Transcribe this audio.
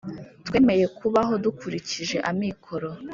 twemeye kubaho dukurikije amikoro.